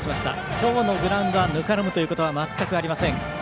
今日のグラウンドはぬかるむことは全くありません。